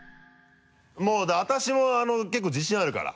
もう私も結構自信あるから。